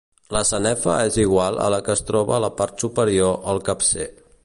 La sanefa és igual a la que es troba a la part superior el capcer.